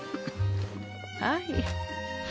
はい。